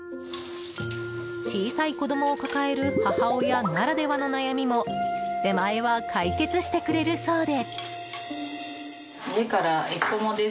小さい子供を抱える母親ならではの悩みも出前は解決してくれるそうで。